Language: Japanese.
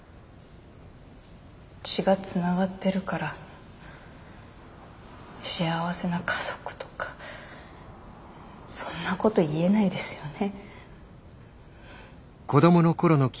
血がつながってるから幸せな家族とかそんなこと言えないですよね。